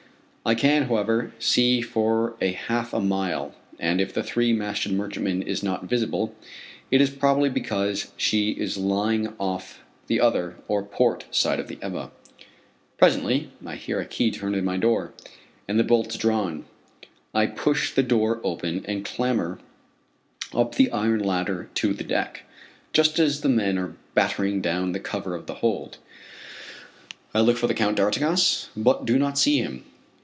I can, however, see for a half a mile, and if the three masted merchantman is not visible, it is probably because she is lying off the other, or port, side of the Ebba. Presently I hear a key turned in my door, and the bolts drawn. I push the door open and clamber up the iron ladder to the deck, just as the men are battening down the cover of the hold. I look for the Count d'Artigas, but do not see him.